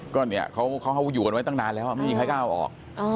ก็เนี่ยเขาอยู่กันไว้ตั้งนานแล้วไม่มีใครกล้าเอาออก